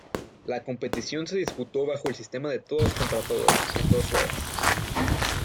La competición se disputó bajo el sistema de todos contra todos, en dos ruedas.